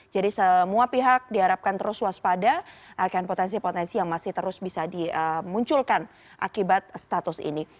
jadi semua pihak diharapkan terus waspada akan potensi potensi yang masih terus bisa dimunculkan akibat status ini